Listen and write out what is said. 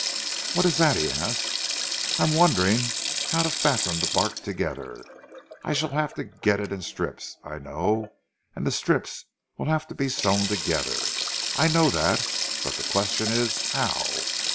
"What is that?" he asked. "I am wondering how to fasten the bark together. I shall have to get it in strips, I know, and the strips will have to be sewn together. I know that, but the question is how?